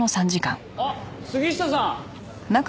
あっ杉下さん！